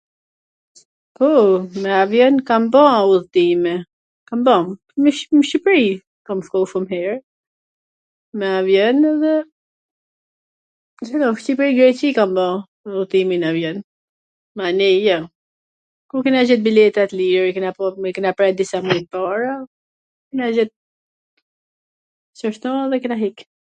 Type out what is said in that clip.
Poo, me avjon kam ba udhtime, kam ba, nw Shqiprii kam shku shum her, me avjon edhe... Cato, Shqipri-Greqi kam ba udhwtimin n avjon, manej jo, kur kena gjet biletat lir, i kena pre disa muj pwrpara, kena gjet qashtu edhe kena hik.